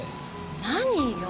何よ？